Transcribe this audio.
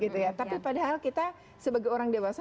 tapi padahal kita sebagai orang dewasa